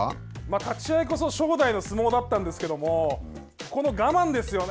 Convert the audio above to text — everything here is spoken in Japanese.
立ち合いこそ正代の相撲だったんですけどこの我慢ですよね。